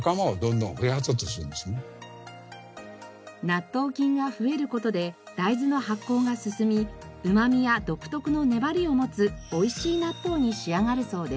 納豆菌が増える事で大豆の発酵が進みうまみや独特の粘りを持つ美味しい納豆に仕上がるそうです。